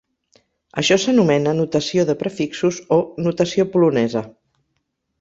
Això s'anomena "notació de prefixos" o "notació polonesa".